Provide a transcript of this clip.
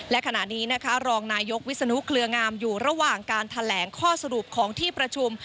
และขณะนี้นะคะรองนายกวิศนุเคลืองามอยู่ระหว่างการแถลงข้อสรุปของที่ประชุม